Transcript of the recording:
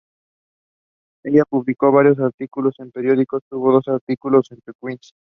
Ella publicó varios artículos en periódicos, tuvo dos artículos en "The Queen".